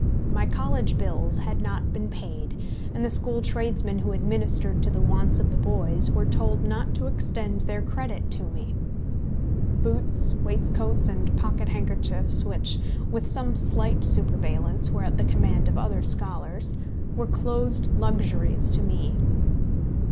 My college bills had not been paid, and the school tradesmen who administered to the wants of the boys were told not to extend their credit to me. Boots, waistcoats, and pocket handkerchiefs, which, with some slight superveillance, were at the command of other scholars, were closed luxuries to me.